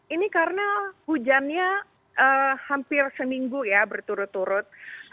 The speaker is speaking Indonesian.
ini karena hujannya hampir seminggu ya berturut turut